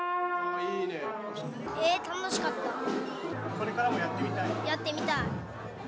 これからもやってみたい？